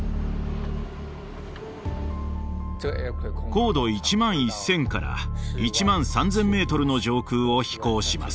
高度１万１，０００から１万３，０００メートルの上空を飛行します。